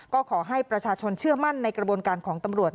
ก็ขอให้ประชาชนเชื่อมั่นในกระบวนการของตำรวจ